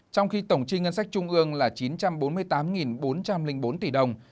trong khi tổng chi ngân sách trung ương là chín trăm bốn mươi tám bốn trăm linh bốn tỷ đồng